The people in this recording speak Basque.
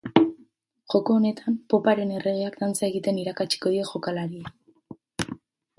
Joko honetan, poparen erregeak dantza egiten irakatsiko die jokalariei.